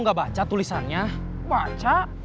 udah kalau mau abadi